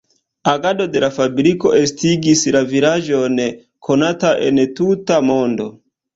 Agado de la fabriko estigis la vilaĝon konata en tuta mondo.